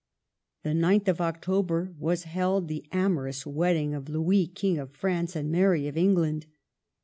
" The 9th of October was held the amorous wedding of Louis, King of France, and Mary of England.